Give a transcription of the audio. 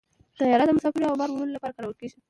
طیاره د مسافرو او بار وړلو لپاره کارول کېږي.